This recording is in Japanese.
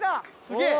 すげえ！